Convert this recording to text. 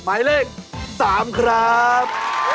หมายเลขสามครับ